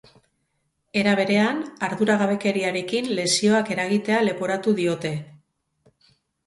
Era berean, arduragabekeriarekin lesioak eragitea leporatu diote.